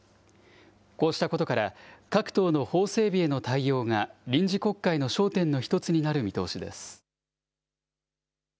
こうしたことから、各党の法整備への対応が臨時国会の焦点の１つになる見通しです。